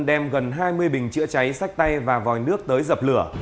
đem gần hai mươi bình chữa cháy sách tay và vòi nước tới dập lửa